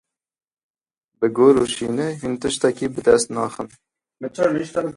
Bi girî û şînê hûn tiştekî bi dest naxin.